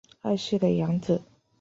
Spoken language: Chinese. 二世的养子。